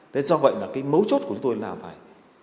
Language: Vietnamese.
thế do vậy là cái mấu chốt của chúng tôi là phải